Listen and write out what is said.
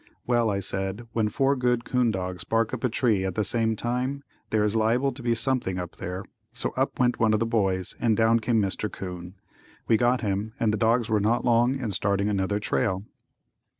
Well, I said, when four good 'coon dogs bark up a tree at the same time, there is liable to be something up there, so up went one of the boys and down came Mr. 'Coon. We got him and the dogs were not long in starting another trail.